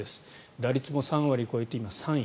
打率も３割超えて今３位。